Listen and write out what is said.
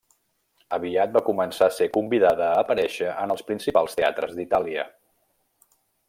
Aviat va començar a ser convidada a aparèixer en els principals teatres d'Itàlia.